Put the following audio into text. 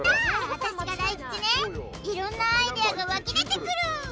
私が大吉ね色んなアイデアが湧き出てくる！